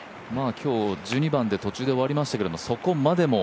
今日１２番で途中で終わりましたけど、そこまでも。